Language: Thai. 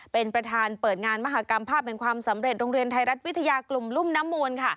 เป็นประธานเปิดงานมหากรรมภาพแห่งความสำเร็จโรงเรียนไทยรัฐวิทยากลุ่มรุ่มน้ำมูลค่ะ